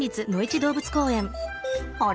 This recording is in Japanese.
あれ？